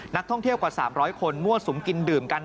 นักท่องเที่ยวกว่า๓๐๐คนมั่วสุมกินดื่มกัน